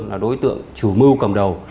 là đối tượng chủ mưu cầm đầu